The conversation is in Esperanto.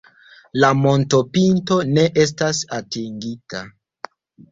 La montopinto ne estas atingita.